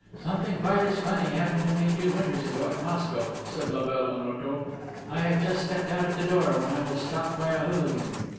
"Something quite as funny happened to me two winters ago, at Moscow," said la belle Onoto. "I had just stepped out of the door when I was stopped by a hooligan.